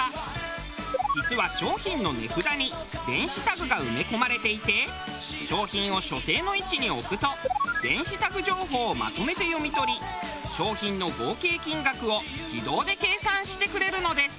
実は商品の値札に電子タグが埋め込まれていて商品を所定の位置に置くと電子タグ情報をまとめて読み取り商品の合計金額を自動で計算してくれるのです。